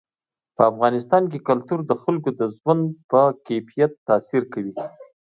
په افغانستان کې کلتور د خلکو د ژوند په کیفیت تاثیر کوي.